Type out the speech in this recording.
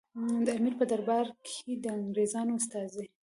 د امیر په دربار کې د انګریزانو استازي.